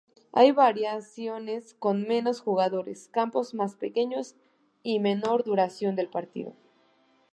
Hay variaciones con menos jugadores, campos más pequeños y menor duración del partido.